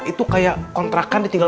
itu kayak kontrakan ditinggal